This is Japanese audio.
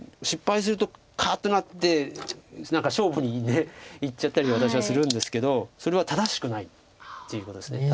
失敗するとカッとなって何か勝負にいっちゃったり私はするんですけどそれは正しくないということです。